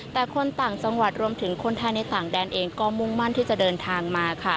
แต่คนต่างจังหวัดรวมถึงคนไทยในต่างแดนเองก็มุ่งมั่นที่จะเดินทางมาค่ะ